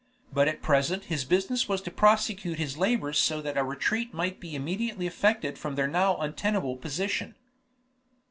But at present his business was to prosecute his labors so that a retreat might be immediately effected from their now untenable position.